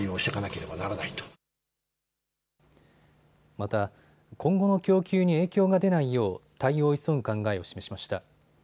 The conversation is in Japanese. また、今後の供給に影響が出ないよう対応を急ぐ考えを示しました。